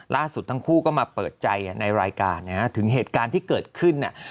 ล่าสุดทั้งคู่ก็มาเปิดใจในรายการนะฮะถึงเหตุการณ์ที่เกิดขึ้นเนี่ย